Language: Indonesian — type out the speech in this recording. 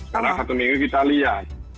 karena satu minggu kita lihat